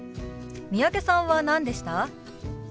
三宅さんは何でした？